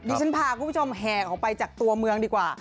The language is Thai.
ฉันพาคุณผู้ชมแห่ออกไปจากตัวเมืองดีกว่า